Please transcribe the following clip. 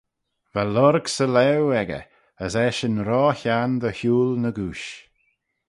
Va lorg 'sy laue echey, as eshyn ro henn dy hooyl n'egooish.